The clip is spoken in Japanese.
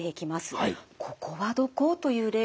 「ここはどこ？」という例です。